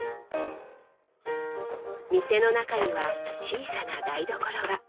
店の中には小さな台所が。